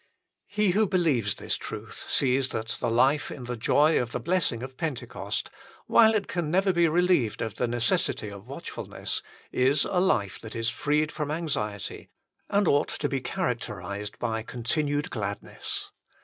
He who believes this truth sees that the life in the joy of the blessing of Pentecost, while it can never be relieved of the necessity of watchfulness, is a life that is freed from anxiety and ought to be characterised by continued gladness.